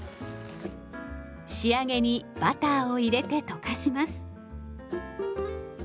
仕上げにバターを入れて溶かします。